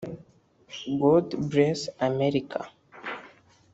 God Bless Amerika